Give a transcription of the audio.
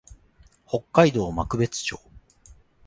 北海道幕別町